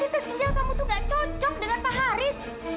tes ginjal kamu tuh gak cocok dengan pak haris